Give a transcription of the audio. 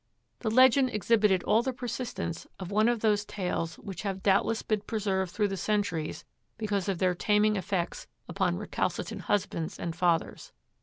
The legend exhibited all the persistence of one of those tales which have doubtless been preserved through the centuries because of their taming effects upon recalcitrant husbands and fathers.